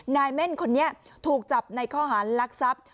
เม่นคนนี้ถูกจับในข้อหารลักทรัพย์